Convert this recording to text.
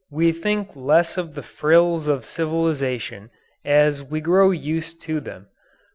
We think less of the frills of civilization as we grow used to them.